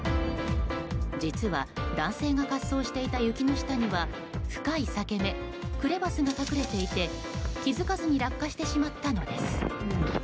実は男性が滑走していた雪の下には深い裂け目クレバスが隠れていて気づかずに落下してしまったのです。